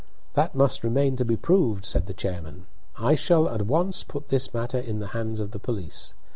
"That must remain to be proved," said the chairman. "I shall at once put this matter in the hands of the police.